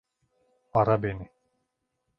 Ara beni.